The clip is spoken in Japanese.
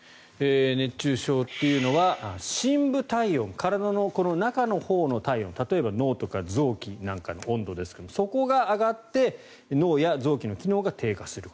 熱中症というのは深部体温、体の中のほうの体温例えば脳とか臓器なんかの温度ですがそこが上がって脳や臓器の機能が低下する。